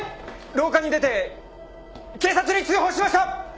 廊下に出て警察に通報しました。